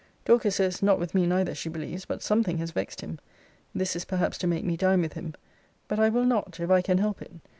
Dorcas says, not with me neither, she believes: but something has vexed him. This is perhaps to make me dine with him. But I will not, if I can help it.